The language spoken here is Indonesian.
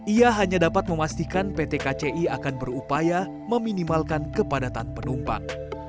ia hanya dapat memastikan pt kci akan berupaya meminimalkan kepadatan penumpang